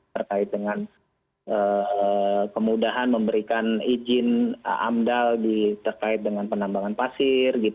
terkait dengan kemudahan memberikan izin amdal terkait dengan penambangan pasir